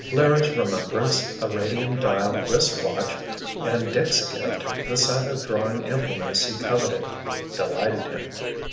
Larry's remembrance, a radium dial wrist watch, and Dick's gift, the set of drawing implements he coveted, delighted him.